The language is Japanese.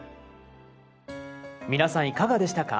皆さんいかがでしたか？